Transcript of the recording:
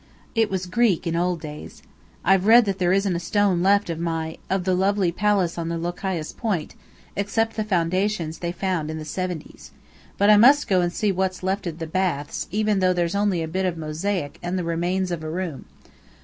It was Greek in old days. I've read that there isn't a stone left of my of the lovely place on Lochias Point, except the foundations they found in the seventies. But I must go to see what's left of the Baths, even though there's only a bit of mosaic and the remains of a room.